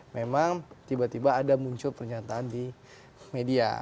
memang tiba tiba ada muncul pernyataan di media